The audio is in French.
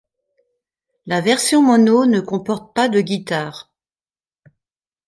La version mono ne comporte pas de guitare.